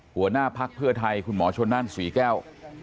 หัวหน้าพักเพื่อไทยคุณหมอชนนั่นศรีแก้ว